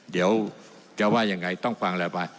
เดี๋ยวจะว่ายังไงต้องฟังระบาย